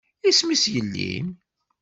Isem-is yelli-m?